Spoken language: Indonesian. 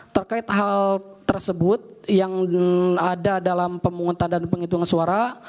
terkait hal tersebut yang ada dalam pemungutan dan penghitungan suara